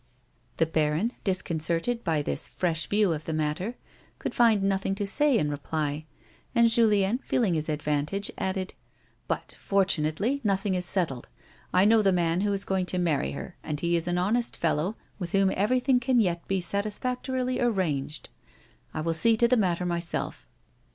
The baron, discon G 130 A WOMAN'S LIFE. certed by this fresh view of the matter, could find nothing to say in reply, and Julien, feeling his advantage, added :" But fortunately, nothing is settled. I know the man who is going to marry her and he is an honest fellow with whom everything can yet be satisfactorily arranged. I will see to the matter myself."